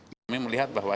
kami melihat bahwa